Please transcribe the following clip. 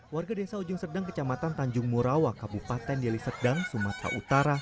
warga desa ujung serdang kecamatan tanjung murawak kabupaten deli serdang sumatera utara